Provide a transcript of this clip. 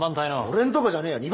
俺んとこじゃねえよ。